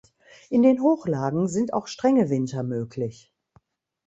In den Hochlagen sind auch strenge Winter möglich.